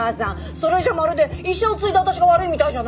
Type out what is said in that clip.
それじゃまるで医者を継いだ私が悪いみたいじゃない！